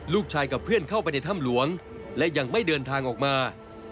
กับเพื่อนเข้าไปในถ้ำหลวงและยังไม่เดินทางออกมา